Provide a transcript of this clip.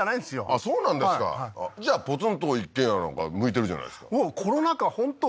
あっそうなんですかはいはいじゃあポツンと一軒家なんか向いてるじゃないですかもうコロナ禍本当